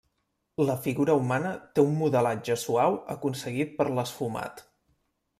La figura humana té un modelatge suau aconseguit per l'esfumat.